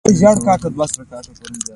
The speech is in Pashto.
د خواخوږۍ او رحم درلودل تمرین کړه.